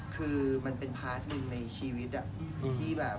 คือมันเป็นชีวิตเนี่ย